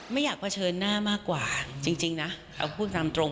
ไม่อยากเผชิญหน้ามากกว่าจริงนะเอาพูดตามตรง